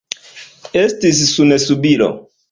Estis sunsubiro.